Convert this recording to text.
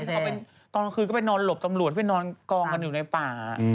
ตอนกลางคืนก็ไปนอนหลบตำรวจไปนอนกองกันอยู่ในป่า